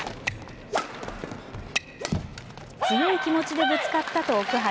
強い気持ちでぶつかったと奥原。